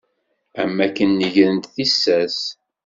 Am akken negrent tissas.